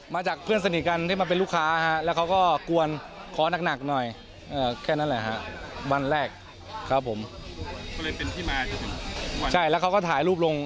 มาจากเพื่อนสนิทกันที่มาเป็นลูกค้า